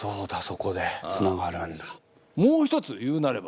そこでつながるんだ。